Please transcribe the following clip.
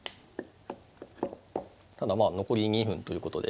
ただまあ残り２分ということで。